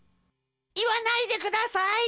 いわないでください。